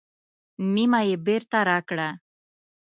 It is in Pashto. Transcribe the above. نیمه یې بېرته راکړه.